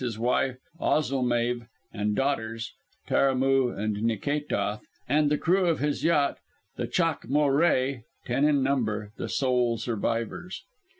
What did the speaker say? _ his wife Ozilmeave and daughters, Taramoo and Nikétoth, and the crew of his yacht, the Chaac molré (ten in number), the sole survivors.